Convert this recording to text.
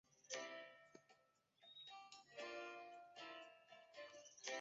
母傅氏。